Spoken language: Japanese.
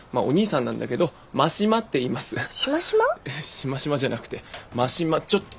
シマシマじゃなくて真島ちょっと。